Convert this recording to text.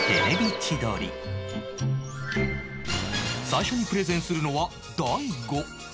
最初にプレゼンするのは大悟